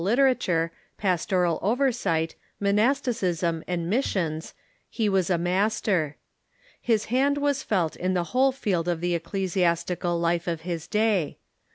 ,. literature, pastoral oversight, monasticism, and mis sions, he was a master. His hand was felt in the whole field of the ecclesiastical life of his day.